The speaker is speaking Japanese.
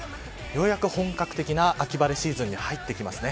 ようやく本格的な秋晴れシーズンに入ってきます。